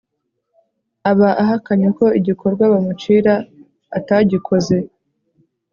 aba ahakanye ko igikorwa bamucira atagikoze